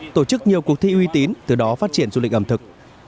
tổ chức nhiều cuộc thi uy tín từ đó phát triển du lịch ẩm thực